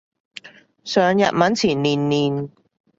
上日文前練練